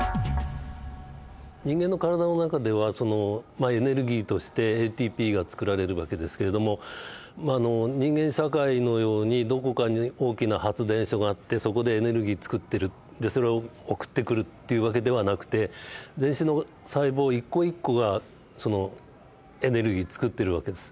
人間の体の中ではまあエネルギーとしてＡＴＰが作られる訳ですけれども人間社会のようにどこかに大きな発電所があってそこでエネルギー作ってるでそれを送ってくるっていう訳ではなくて全身の細胞一個一個がエネルギー作ってる訳です。